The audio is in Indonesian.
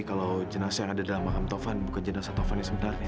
kalau jenazah yang ada dalam makam taufan bukan jenazah tovan sebenarnya